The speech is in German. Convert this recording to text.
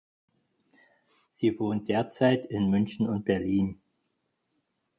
Sie wohnt derzeit in München und Berlin.